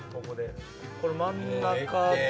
この真ん中で。